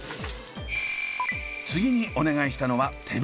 次にお願いしたのは手袋。